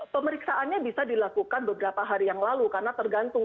pemeriksaannya bisa dilakukan beberapa hari yang lalu karena tergantung